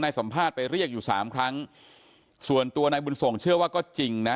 สัมภาษณ์ไปเรียกอยู่สามครั้งส่วนตัวนายบุญส่งเชื่อว่าก็จริงนะ